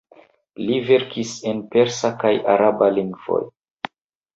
Li verkis en persa kaj araba lingvoj.